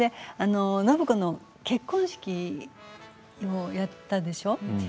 暢子の結婚式をやったでしょ？